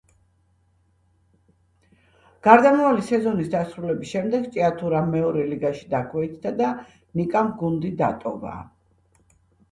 გარდამავალი სეზონის დასრულების შემდეგ „ჭიათურა“ მეორე ლიგაში დაქვეითდა და ნიკამ გუნდი დატოვა.